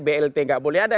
blt enggak boleh ada